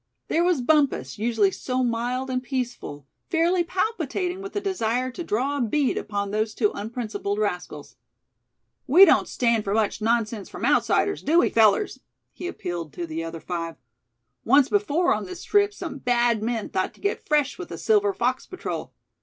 There was Bumpus, usually so mild and peaceful, fairly palpitating with a desire to draw a bead upon those two unprincipled rascals. "We don't stand for much nonsense from outsiders, do we fellers?" he appealed to the other five. "Once before on this trip some bad men thought to get fresh with the Silver Fox Patrol.